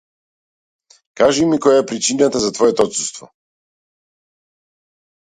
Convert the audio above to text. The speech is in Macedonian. Кажи ми која е причината за твоето отсуство.